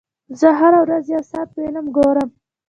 زه هره ورځ یو ساعت فلم ګورم.